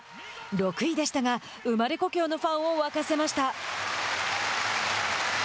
６位でしたが生まれ故郷のファンを沸かせました。